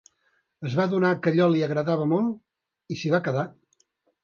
Es va adonar que allò li agradava molt i s'hi va quedar.